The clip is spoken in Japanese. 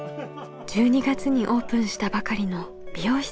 １２月にオープンしたばかりの美容室。